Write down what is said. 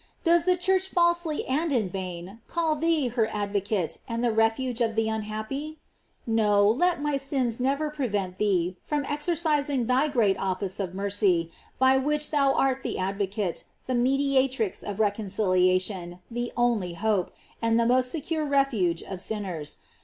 Does the Church falsely and in vain call thee her advo cate, and the refuge of the unhappy? No; let my GLORIES OF MART. 333 sins never prevent thee from exercising thy great office of mercy by which thou art the ad vocate, the mediatrix of reconciliation, the only hope, and the most secure refuge of sinners.